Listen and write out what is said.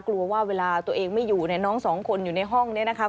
กลัวว่าเวลาตัวเองไม่อยู่เนี่ยน้องสองคนอยู่ในห้องเนี่ยนะคะ